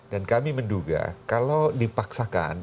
dan kami menduga kalau dipaksakan